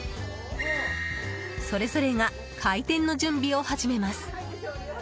それぞれが開店の準備を始めます。